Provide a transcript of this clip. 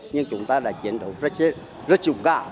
nhưng chúng ta đã chiến đấu rất dũng cảm